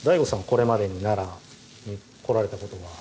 これまでに奈良に来られたことは？